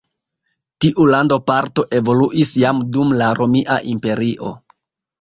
Tiu landoparto evoluis jam dum la Romia Imperio.